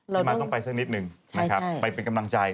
ที่มาต้องไปสักนิดนึงนะครับไปเป็นกำลังใจ